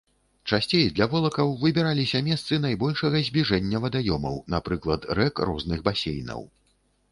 Часцей для волакаў выбіраліся месцы найбольшага збліжэння вадаёмаў, напрыклад рэк розных басейнаў.